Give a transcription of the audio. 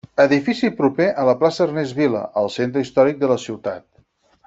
Edifici proper a la plaça Ernest Vila, al centre històric de la ciutat.